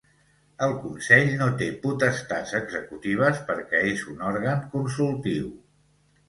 El consell no té potestats executives perquè és un òrgan consultiu.